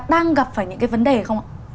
đang gặp phải những cái vấn đề không ạ